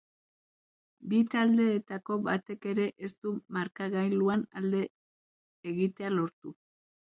Bi taldeetako batek ere ez du markagailuan alde egitea lortu.